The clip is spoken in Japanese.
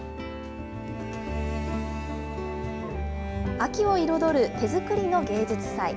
秋を彩る手作りの芸術祭。